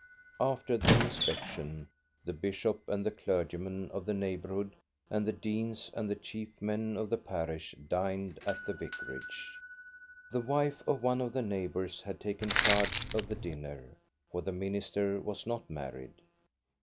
After the inspection the bishop and the clergymen of the neighborhood and the deans and the chief men of the parish dined at the vicarage. The wife of one of the neighbors had taken charge of the dinner; for the minister was not married.